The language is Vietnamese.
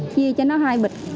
chia cho nó hai bịch